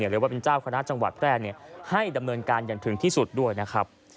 หรือว่าเป็นเจ้าคณะจังหวัดแพร่ให้ดำเนินการอย่างถึงที่สุดด้วยนะครับ